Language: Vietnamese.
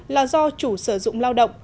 là do chủ sử dụng lao động